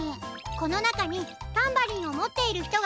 このなかにタンバリンをもっているひとがいるの。